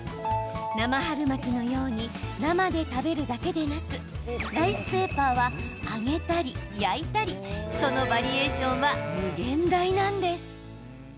生春巻きのように生で食べるだけでなくライスペーパーは揚げたり、焼いたりそのバリエーションは無限大なんです。